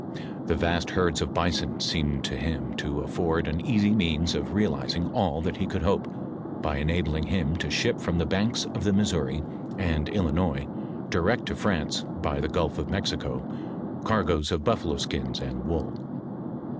The vast herds of bison seemed to him to afford an easy means of realizing all that he could hope, by enabling him to ship from the banks of the Missouri and Illinois direct to France by the gulf of Mexico, cargoes of buffalo skins and wool.